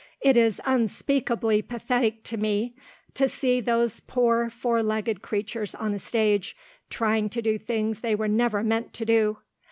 It is unspeakably pathetic to me to see those poor four legged creatures on a stage, trying to do things they were never meant to do.